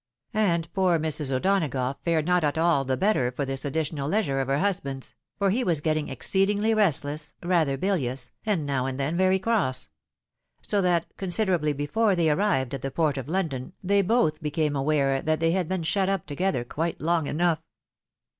And poor Mrs. O'Donagough fared not at all the better for this additional leisure of her husband's ; for he was getting exceed ingly restless, rather bilious, and now and then very cross ; so that, considerably before they arrived at the port of London, they both became aware that they had been shut up together quite long enough.